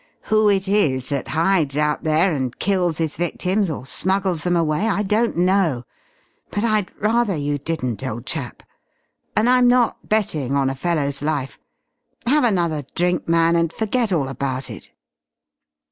Who it is that hides out there and kills his victims or smuggles them away I don't know, but I'd rather you didn't, old chap. And I'm not betting on a fellow's life. Have another drink man, and forget all about it."